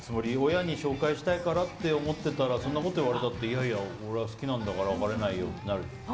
親に紹介したいからって思ってたらそんなこと言われたっていやいや、俺は好きなんだから別れないよってなるじゃん。